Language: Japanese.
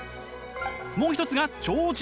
もう一つが超人。